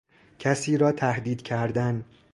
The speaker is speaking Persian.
کسی را تهدید کردن